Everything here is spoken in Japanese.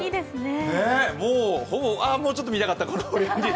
もうちょっと見たかった。